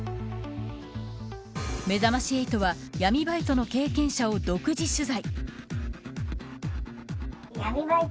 めざまし８は闇バイトの経験者を独自取材。